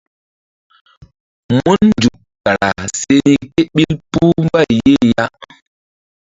Mun nzuk kara se ni ké ɓil puh mbay ye ya.